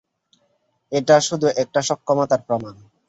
এটা শুধু একটা সক্ষমতার প্রমাণ।